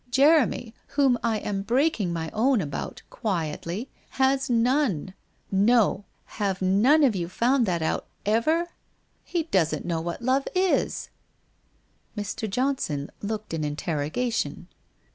Jeremy, whom I am breaking my own about, quietly, has none. No! Have none of you found that out, ever? He doesn't know what love is/ Mr. Johnson looked an interrogation.